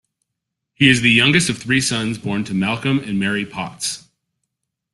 He is the youngest of three sons born to Malcolm and Mary Potts.